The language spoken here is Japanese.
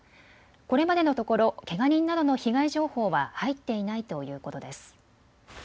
これまでのところ、けが人などの被害情報は入っていないということです。